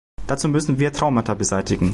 Dazu müssen wir Traumata beseitigen.